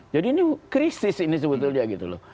jadi ini krisis ini sebetulnya gitu loh